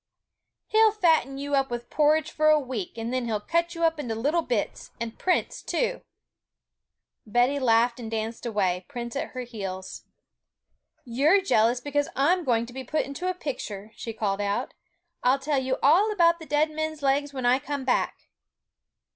'He'll fatten you up with porridge for a week; and then he'll cut you up into little bits, and Prince too.' Betty laughed and danced away, Prince at her heels. 'You're jealous because I'm going to be put into a picture,' she called out. 'I'll tell you all about the dead men's legs when I come back.'